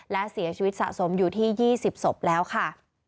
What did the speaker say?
และเสียชีวิตสะสมอยู่ที่๒๐ศพแล้วค่ะ